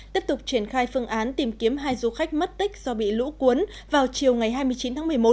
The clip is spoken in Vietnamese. tiếp tục triển khai phương án tìm kiếm hai du khách mất tích do bị lũ cuốn vào chiều ngày hai mươi chín tháng một mươi một